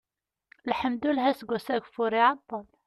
lḥemdullah aseggas-a ageffur iɛeṭṭel